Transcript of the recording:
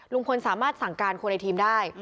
ลุงพลสามารถสั่งการคนในทีมได้